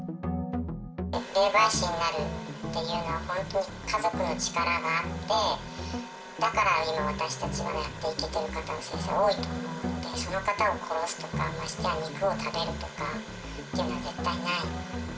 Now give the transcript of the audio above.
霊媒師になるっていうのは、本当家族の力があって、だから、今私たちはやっていけているという先生方は多いと思うんで、殺すとか、ましてや肉を食べるとかっていうのは絶対ない。